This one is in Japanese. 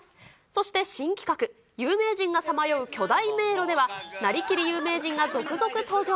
そして新企画、有名人がさまよう巨大迷路では、なりきり有名人が続々登場。